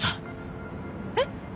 えっ？